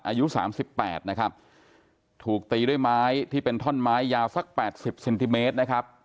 อายุสามสิบแปดนะครับถูกตีด้วยไม้ที่เป็นท่อนไม้ยาวสักแปดสิบเซนติเมตรนะครับ